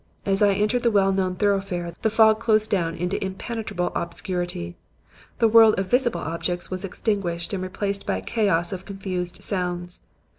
As I entered the well known thoroughfare, the fog closed down into impenetrable obscurity. The world of visible objects was extinguished and replaced by a chaos of confused sounds.